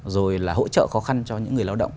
rồi là hỗ trợ khó khăn cho những người lao động